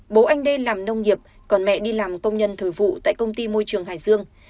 bố anh đê làm nông nghiệp còn mẹ đi làm công nhân thời vụ tại công ty môi trường hải dương